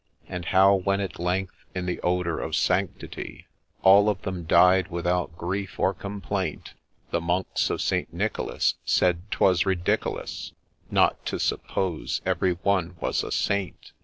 And how, when at length, in the odour of sanctity, All of them died without grief or complaint ; The Monks of St. Nicholas said 'twas ridiculous Not to suppose every one was a Saint.